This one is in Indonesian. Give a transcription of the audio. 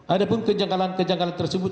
ada pun kejanggalan kejanggalan tersebut